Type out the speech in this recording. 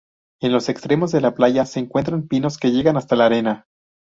En los extremos de la playa se encuentran pinos que llegan hasta la arena.